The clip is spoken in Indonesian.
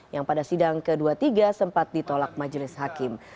yang pada sidang ke dua puluh tiga sempat ditolak majelis hakim